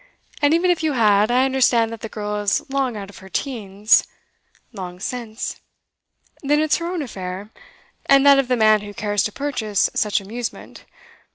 And even if you had, I understand that the girl is long out of her teens ' 'Long since.' 'Then it's her own affair and that of the man who cares to purchase such amusement.